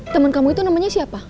teman kamu itu namanya siapa